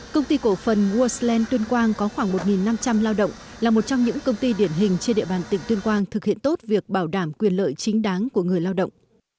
công ty cổ phần wesland tuyên quang có khoảng một năm trăm linh lao động là một trong những công ty điển hình trên địa bàn tỉnh tuyên quang thực hiện tốt việc bảo đảm quyền lợi chính đáng của người lao động